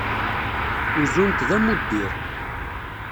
Uzun-t d amuddir.